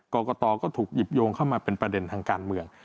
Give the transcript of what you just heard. กรกตก็ถูกหยิบโยงเข้ามาเป็นประเด็นทางการเมือง